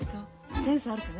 センスあるかな？